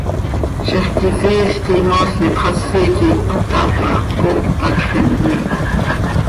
Zixquisiil quih moosni ipxasi quih cötaapj, cooc hacx immiih.